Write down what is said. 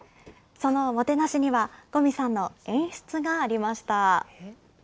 そのもてなしには五味さんの演出がありました。